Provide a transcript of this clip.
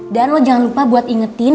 dan lo jangan lupa buat ingetin